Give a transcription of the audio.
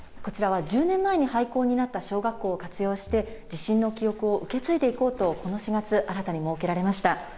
こちらは１０年前に廃校になった小学校を活用して、地震の記憶を受け継いでいこうと、この４月、新たに設けられました。